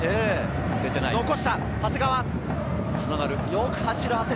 残した、長谷川。